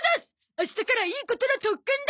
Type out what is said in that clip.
明日からいいことの特訓だ！